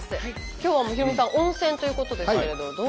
今日はヒロミさん温泉ということですけれどどうですか？